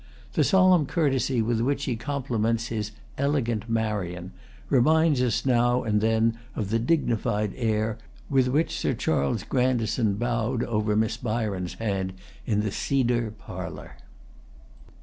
The solemn courtesy with which he compliments his "elegant Marian" reminds us now and then of the dignified air with which Sir Charles Grandison bowed over Miss Byron's hand in the cedar parlor.